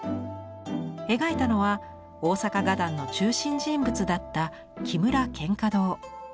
描いたのは大坂画壇の中心人物だった木村蒹葭堂。